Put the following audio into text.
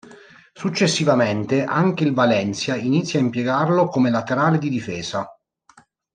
Successivamente anche il Valencia inizia a impiegarlo come laterale di difesa.